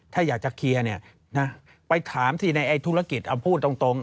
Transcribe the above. ถ้าอยากจะเคลียร์เนี่ยนะไปถามสิในธุรกิจเอาพูดตรง